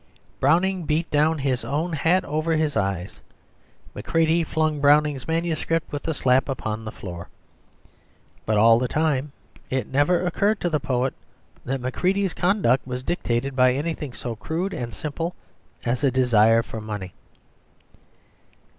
Browning beat down his own hat over his eyes; Macready flung Browning's manuscript with a slap upon the floor. But all the time it never occurred to the poet that Macready's conduct was dictated by anything so crude and simple as a desire for money.